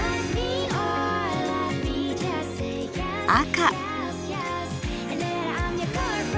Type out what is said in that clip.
赤。